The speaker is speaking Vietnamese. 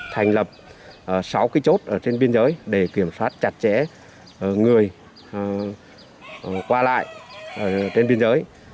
thành lập sáu cái chốt trên biên giới để kiểm soát chặt chẽ người qua lại trên biên giới